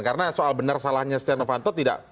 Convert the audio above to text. karena soal benar salahnya sian afan tauh tidak